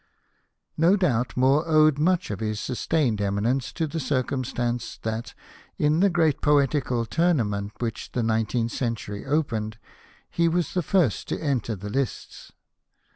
No doubt Moore owed much of this sustained eminence to the circumstance that, in the great poetical tournament with which the nineteenth century opened, he was the first to enter the lists.